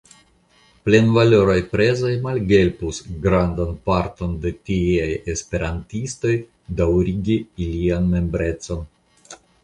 Plenvaloraj prezoj malhelpus grandan parton de la tieaj Esperantistoj daŭrigi ilian membrecon.